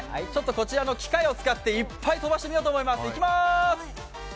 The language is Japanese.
こちらの機械を使っていっぱい飛ばしてみたいと思います、いきまーす。